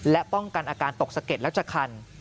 และป้องกันอาการตกสะเก็ดแล้วจะคัน